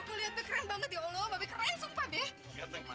kau kelihatan keren banget ya allah mbak be keren sumpah be